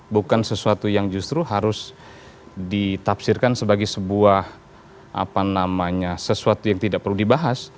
bukan sesuatu yang justru harus ditafsirkan sebagai sebuah sesuatu yang tidak perlu dibahas